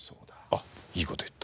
あっいい事言った。